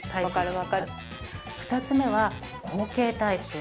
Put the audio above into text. ２つ目は後傾タイプ。